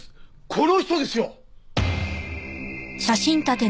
この人ですよ！